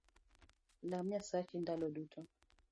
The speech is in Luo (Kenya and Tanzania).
Lam Nyasachi ndalo duto